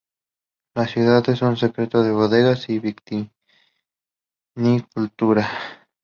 La ciudad es un centro de bodegas y vitivinicultura.